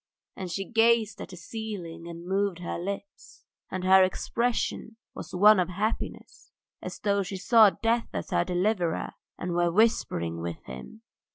.. And she gazed at the ceiling and moved her lips, and her expression was one of happiness, as though she saw death as her deliverer and were whispering with him.